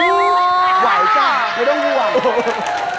ไหวจ้ะไม่ต้องมีไหว